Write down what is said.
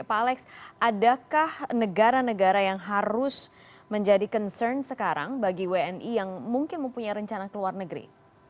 pak alex adakah negara negara yang harus menjadi concern sekarang bagi wni yang mungkin mempunyai rencana ke luar negeri